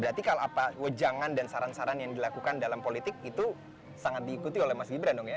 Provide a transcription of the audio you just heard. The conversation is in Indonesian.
berarti kalau apa wejangan dan saran saran yang dilakukan dalam politik itu sangat diikuti oleh mas gibran dong ya